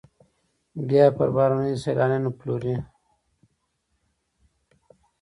بیا یې پر بهرنیو سیلانیانو پلوري